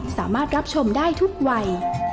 สามารถรับชมได้ทุกวัย